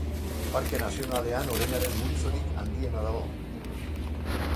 Parke Nazionalean oreinaren multzorik handiena dago.